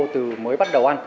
từ mới bắt đầu ăn